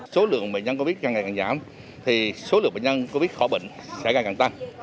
số lượng bệnh nhân covid một mươi chín ngày càng giảm thì số lượng bệnh nhân covid một mươi chín khỏi bệnh sẽ càng càng tăng